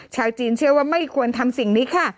ชาวจีนเชื่อว่าไม่ควรทำสิ่งนี้ค่ะ